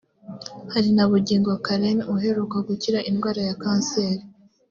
Hari na Bugingo Karen uheruka gukira indwara ya Kanseri